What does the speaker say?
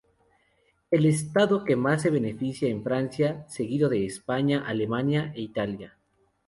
El estado que más se beneficia es Francia, seguido de España, Alemania e Italia.